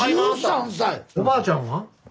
おばあちゃんは？